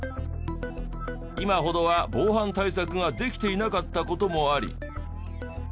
今ほどは防犯対策ができていなかった事もあり。